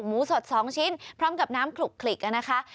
หมูสด๒ชิ้นพร้อมกับน้ำขลุกนะคะ